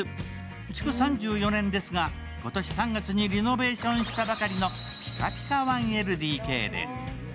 築３４年ですが、今年３月にリノベーションしたばかりのピカピカ１ＬＤＫです。